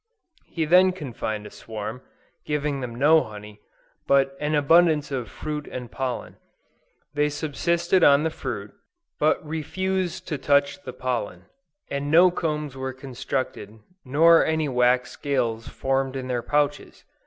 He then confined a swarm, giving them no honey, but an abundance of fruit and pollen. They subsisted on the fruit, but refused to touch the pollen; and no combs were constructed, nor any wax scales formed in their pouches.